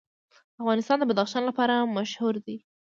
افغانستان د بدخشان لپاره مشهور دی.